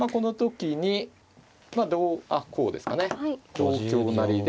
同香成で。